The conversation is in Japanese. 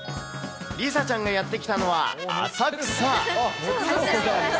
梨紗ちゃんがやって来たのは、浅草。